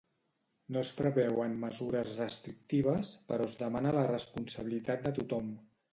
No es preveuen mesures restrictives, però es demana la responsabilitat de tothom.